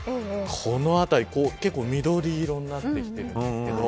この辺り結構、緑色になってきてるんですけど。